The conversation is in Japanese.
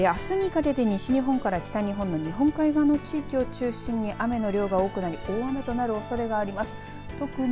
あすにかけて西日本から北日本の日本海側の地域を中心に雨の量が多くなり大雨となるおそれがあります。